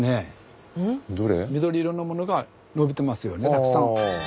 たくさん。